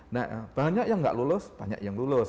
nah banyak yang gak lulus banyak yang lulus